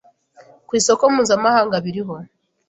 ku isoko mpuzamahanga biriho